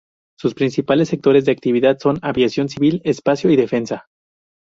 Sus principales sectores de actividad son aviación civil, espacio y defensa.